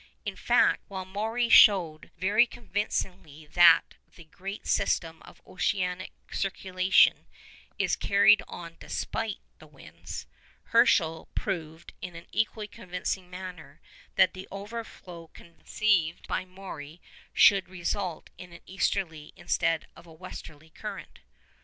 In fact, while Maury showed very convincingly that the great system of oceanic circulation is carried on despite the winds, Herschel proved in an equally convincing manner that the overflow conceived by Maury should result in an easterly instead of a westerly current.